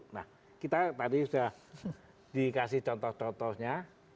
nah kita tadi sudah dikasih contoh contohnya